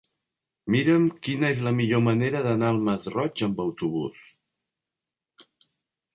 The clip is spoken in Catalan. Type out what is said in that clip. Mira'm quina és la millor manera d'anar al Masroig amb autobús.